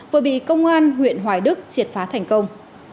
vừa bị công an huyện hoài đức triệt phá thành công